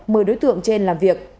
mời đối tượng trên làm việc